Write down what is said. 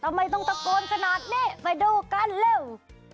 ทำไมต้องตะโกนขนาดนี้ไปดูกันเรื่อง